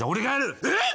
えっ！？